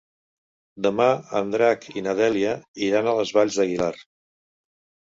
Demà en Drac i na Dèlia iran a les Valls d'Aguilar.